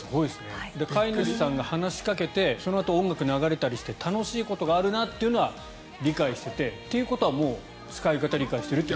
飼い主さんが話しかけてそのあと、音楽が流れたりして楽しいことがあるなというのは理解していてということは使い方を理解していると。